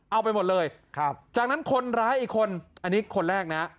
เอาไปหมดเลยครับจากนั้นคนร้ายอีกคนอันนี้คนแรกนะ